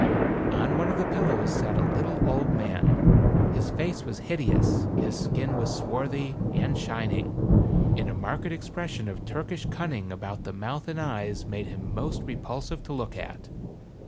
On one of the pillows sat a little old man. His face was hideous, his skin was swarthy, and shining, and a marked expression of Turkish cunning about the mouth and eyes made him most repulsive to look at.